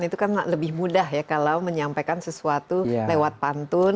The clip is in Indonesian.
itu kan lebih mudah ya kalau menyampaikan sesuatu lewat pantun